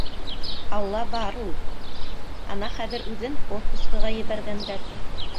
Алла бар ул. Ана хәҙер үҙен отпускыға ебәргәндәр.